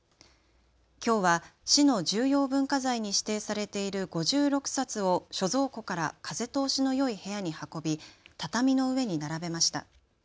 きょうは市の重要文化財に指定されている５６冊を所蔵庫から風通しのよい部屋に運び、畳の上に並べました。